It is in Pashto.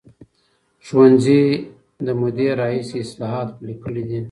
ښوونځي له مودې راهیسې اصلاحات پلي کړي دي.